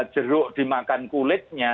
jeruk dimakan kulitnya